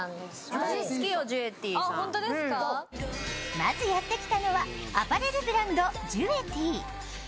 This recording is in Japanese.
まずやってきたのは、アパレルブランド、ｊｏｕｅｔｉｅ。